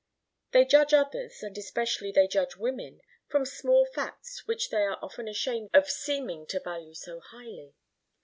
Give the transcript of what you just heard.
They judge others, and especially they judge women, from small facts which they are often ashamed of seeming to value so highly.